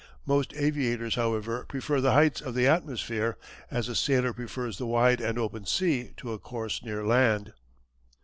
Most aviators however, prefer the heights of the atmosphere, as the sailor prefers the wide and open sea to a course near land.